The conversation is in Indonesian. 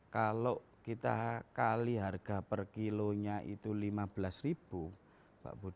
kalau kita kali harga per kilonya itu rp lima belas ribu